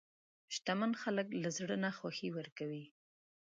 شتمن خلک له زړه نه خوښي ورکوي.